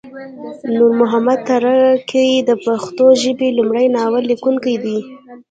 نورمحمد تره کی د پښتو ژبې لمړی ناول لیکونکی دی